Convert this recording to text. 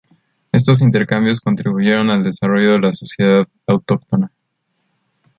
Estos intercambios contribuyeron al desarrollo de la sociedad autóctona.